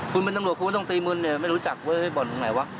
คุณเป็นตังหลวงคุณไม่ต้องตีมือไม่รู้จักเว้ยบ่อนไหนวะ